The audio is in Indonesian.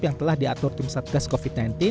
yang telah diatur tim satgas covid sembilan belas